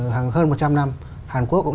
hàng hơn một trăm năm hàn quốc cũng